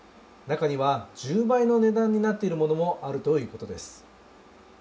中には１０倍の値段になっているものもあるということです。